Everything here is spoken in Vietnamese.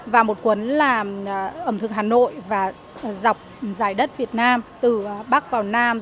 và một cuốn làm ẩm thực hà nội và dọc dài đất việt nam từ bắc vào nam